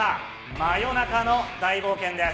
真夜中の大冒険です。